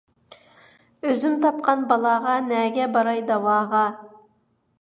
ئۆزۈم تاپقان بالاغا، نەگە باراي داۋاغا.